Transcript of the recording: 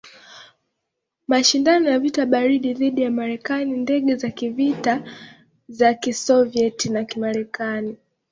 Mashindano ya vita baridi dhidi ya Marekani Ndege za kivita za Kisovyeti na Kimarekani